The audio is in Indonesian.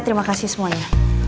terima kasih semuanya